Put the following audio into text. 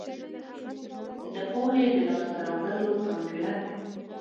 د پوهې د لاس ته راوړلو ځانګړنه.